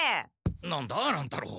何だ乱太郎？